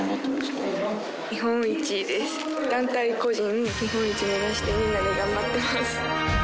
団体・個人日本一目指してみんなで頑張ってます。